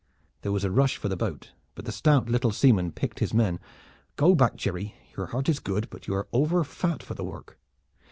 There was a rush for the boat; but the stout little seaman picked his men. "Go back, Jerry! Your heart is good, but you are overfat for the work.